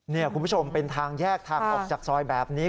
นี่คุณผู้ชมเป็นทางแยกทางออกจากซอยแบบนี้